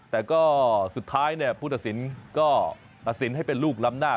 แต่ก็สุดท้ายผู้ตัดสินก็ตัดสินให้เป็นลูกล้ำหน้า